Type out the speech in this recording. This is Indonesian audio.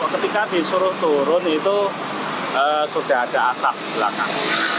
ketika disuruh turun itu sudah ada asap di belakang